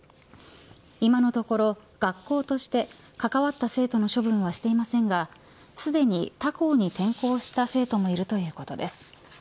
今のところ、学校として関わった生徒の処分はしていませんがすでに他校に転校した生徒もいるということです。